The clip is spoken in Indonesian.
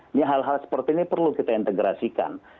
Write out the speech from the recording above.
ini hal hal seperti ini perlu kita integrasikan